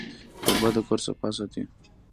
کوربه د کور صفا ساتي.